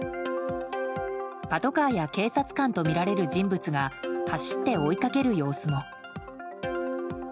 パトカーや警察官とみられる人物が走って追いかける様子も。